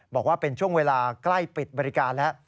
บอกว่าเป็นช่วงเวลาใกล้ปิดบริการแล้ว